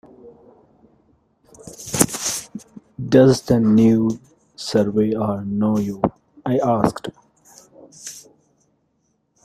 “Does the new Surveyor know you?” I asked.